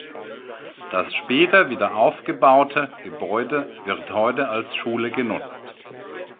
Das später wiederaufgebaute Gebäude wird heute als Schule genutzt.